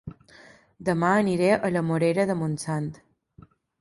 Dema aniré a La Morera de Montsant